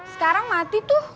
sekarang mati tuh